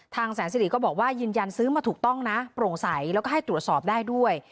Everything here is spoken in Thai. แสนสิริก็บอกว่ายืนยันซื้อมาถูกต้องนะโปร่งใสแล้วก็ให้ตรวจสอบได้ด้วย